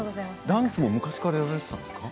ダンスも昔からやられてたんですか？